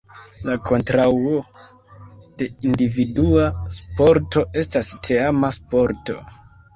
La kontraŭo de individua sporto estas teama sporto.